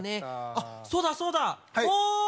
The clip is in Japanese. あっそうだそうだ。おい！